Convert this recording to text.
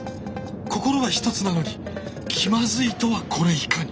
心はひとつなのに気まずいとはこれいかに！